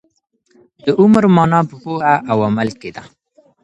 د عمر مانا په پوهه او عمل کي ده.